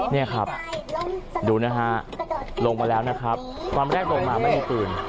นี่ครับดูนะฮะลงมาแล้วนะครับตอนแรกลงมาไม่มีปืน